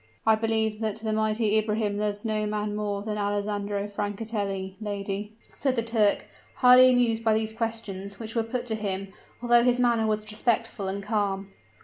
"I believe that the mighty Ibrahim loves no man more than Alessandro Francatelli, lady," said the Turk, highly amused by these questions which were put to him, although his manner was respectful and calm.